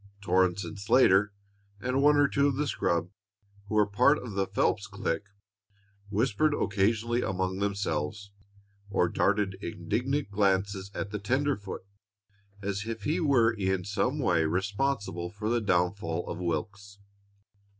Torrance and Slater, and one or two of the scrub who were part of the Phelps clique, whispered occasionally among themselves, or darted indignant glances at the tenderfoot as if he were in some way responsible for the downfall of Wilks.